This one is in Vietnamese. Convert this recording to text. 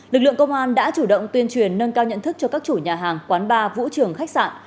lực lượng công an đã chủ động tuyên truyền nâng cao nhận thức cho các chủ nhà hàng quán bar vũ trường khách sạn